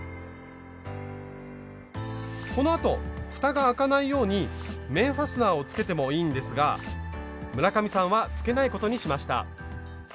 このあとふたが開かないように面ファスナーをつけてもいいんですが村上さんはつけないことにしました。